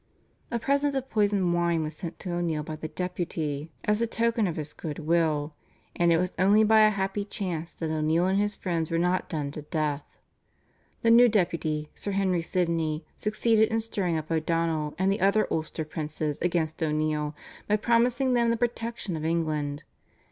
A present of poisoned wine was sent to O'Neill by the Deputy as a token of his good will, and it was only by a happy chance that O'Neill and his friends were not done to death. The new Deputy, Sir Henry Sidney, succeeded in stirring up O'Donnell and the other Ulster princes against O'Neill by promising them the protection of England.